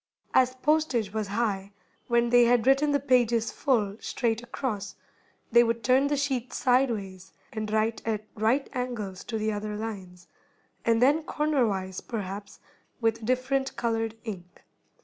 As postage was high, when they had written the pages full, straight across, they would turn the sheet sideways, and write at right angles to the other lines, and then corner wise, perhaps, with a different colored ink.